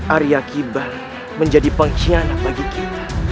arya kibah menjadi pengkhianat bagi kita